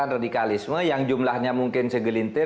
radikalisme yang jumlahnya mungkin segelintir